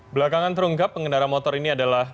belakangan terungkap pengendara motor ini adalah